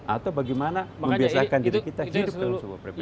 atau bagaimana membiasakan diri kita hidup dalam sebuah perbedaan